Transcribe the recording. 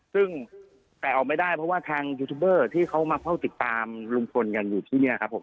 ซึ่งแต่ออกไม่ได้เพราะว่าทางยูทูบเบอร์ที่เขามาเฝ้าติดตามลุงพลกันอยู่ที่นี่ครับผม